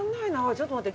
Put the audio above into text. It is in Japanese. ちょっと待って。